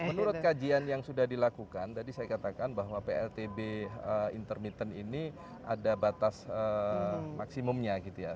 menurut kajian yang sudah dilakukan tadi saya katakan bahwa pltb intermittent ini ada batas maksimumnya gitu ya